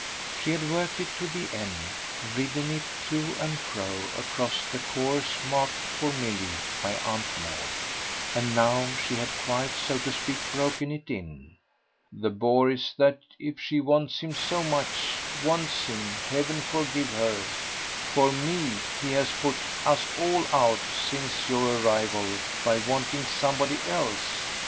She had worked it to the end, ridden it to and fro across the course marked for Milly by Aunt Maud, and now she had quite, so to speak, broken it in. "The bore is that if she wants him so much wants him, heaven forgive her! for ME he has put us all out, since your arrival, by wanting somebody else.